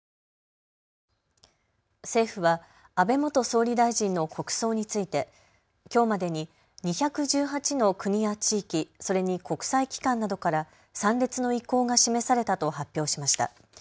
政府は安倍元総理大臣の国葬についてきょうまでに２１８の国や地域、それに国際機関などから参列の意向が示されたと発表しました。